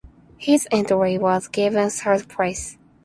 His entry was given third place.